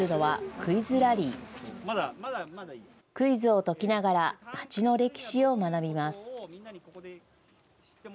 クイズを解きながら町の歴史を学びます。